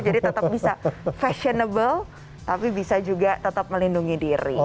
jadi tetap bisa fashionable tapi bisa juga tetap melindungi diri ya